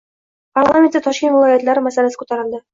Parlamentda Toshkent viloyatlari masalasi ko'tarildi